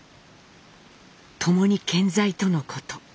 ともに健在とのこと。